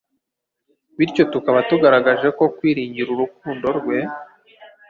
bityo tukaba tugaragaje ko kwiringira urukundo rwe